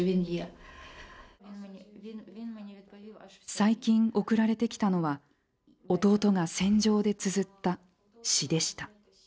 最近、送られてきたのは弟が戦場でつづった詩でした。